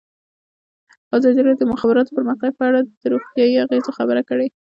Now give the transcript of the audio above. ازادي راډیو د د مخابراتو پرمختګ په اړه د روغتیایي اغېزو خبره کړې.